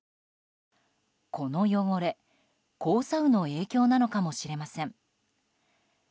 この汚れ、黄砂雨の影響なのかもしれません。